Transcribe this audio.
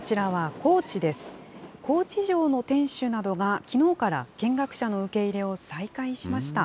高知城の天守などがきのうから見学者の受け入れを再開しました。